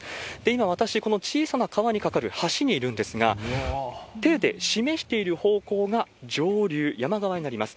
今、私、今小さな橋に架かる橋にいるんですが、手で示している方向が上流、山側になります。